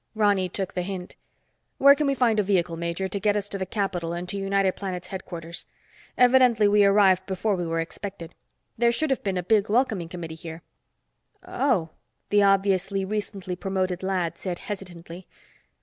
Ronny took the hint. "Where can we find a vehicle, major, to get us to the capital and to United Planets headquarters? Evidently we arrived before we were expected. There should have been a big welcoming committee here." "Oh," the obviously recently promoted lad said hesitantly.